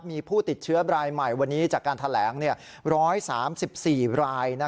มีผู้ติดเชื้อรายใหม่วันนี้จากการแถลง๑๓๔ราย